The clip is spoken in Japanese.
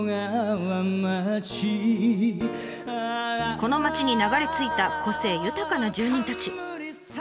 この町に流れ着いた個性豊かな住人たち。